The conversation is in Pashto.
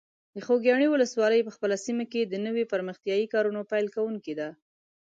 د خوږیاڼي ولسوالۍ په خپله سیمه کې د نویو پرمختیایي کارونو پیل کوونکی ده.